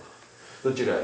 どちらへ？